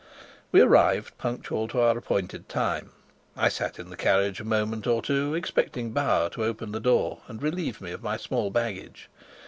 We arrived punctual to our appointed time. I sat in the carriage a moment or two, expecting Bauer to open the door and relieve me of my small baggage.